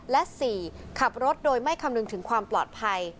และ๔ขับรถโดยไม่คำนึงถึงความปลอดภัย